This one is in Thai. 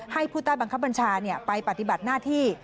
ให้ผู้ใต้บังคับบัญชาไปปฏิบัติหน้าที่